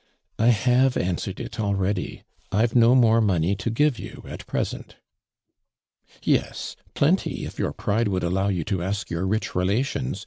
" I have answered it already. I've no more money to give you at present." '• Yes, plenty if your pride woidd allow you to ask your rich relations.